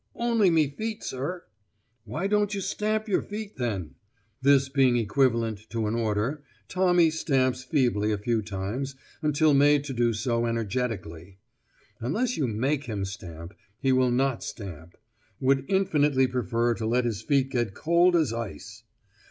'Only me feet, sir.' 'Why don't you stamp your feet, then?' This being equivalent to an order, Tommy stamps feebly a few times until made to do so energetically. Unless you make him stamp, he will not stamp; would infinitely prefer to let his feet get cold as ice.